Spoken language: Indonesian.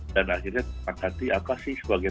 dan akhirnya terpakat hati apa sih sebagai tersebut